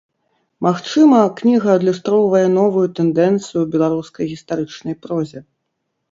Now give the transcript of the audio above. Магчыма, кніга адлюстроўвае новую тэндэнцыю ў беларускай гістарычнай прозе.